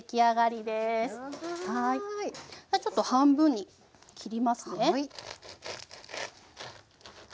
じゃあちょっと半分に切りますね。